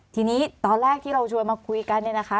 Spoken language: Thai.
ทีนี้ตอนแรกที่เราชวนมาคุยกันเนี่ยนะคะ